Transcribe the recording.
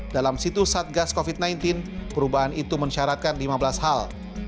dalam situs satgas covid sembilan belas perubahan itu mensyaratkan lima belas hal